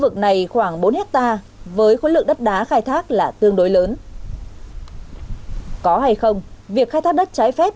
của nước ta với khối lượng đất đá khai thác là tương đối lớn có hay không việc khai thác đất trái phép